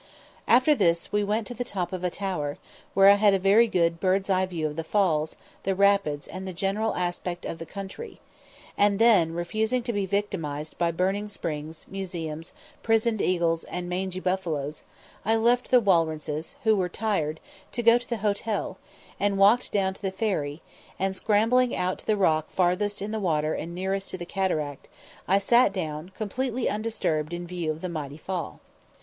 After this we went to the top of a tower, where I had a very good bird's eye view of the Falls, the Rapids, and the general aspect of the country, and then, refusing to be victimised by burning springs, museums, prisoned eagles, and mangy buffaloes, I left the Walrences, who were tired, to go to the hotel, and walked down to the ferry, and, scrambling out to the rock farthest in the water and nearest to the cataract, I sat down completely undisturbed in view of the mighty fall.